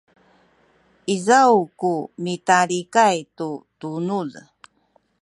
izaw ku mitalikay tu tunuz